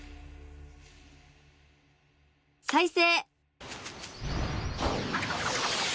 再生！